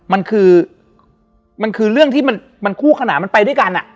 มันคือมันคือเรื่องที่มันคู่ขนานมันไปด้วยกัน